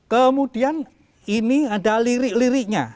kemudian ini ada lirik liriknya